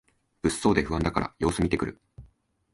物騒で不安だから様子みてくる